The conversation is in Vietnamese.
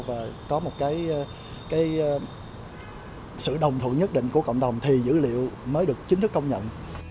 và có một cái sự đồng thủ nhất định của cộng đồng thì dữ liệu mới được chính thức công nhận